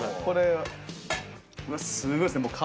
これすごいすね